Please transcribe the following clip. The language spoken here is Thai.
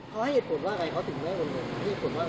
เขาให้เหตุผลว่าไงเขาถึงได้โอนเงิน